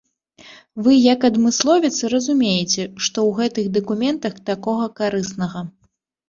Вы як адмысловец разумееце, што ў гэтых дакументах такога карыснага.